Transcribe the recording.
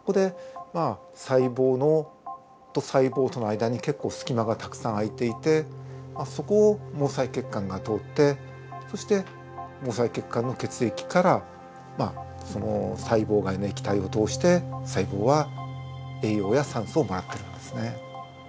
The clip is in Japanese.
そこで細胞と細胞との間に結構隙間がたくさん空いていてまあそこを毛細血管が通ってそして毛細血管の血液からまあその細胞外の液体を通して細胞は栄養や酸素をもらってるんですね。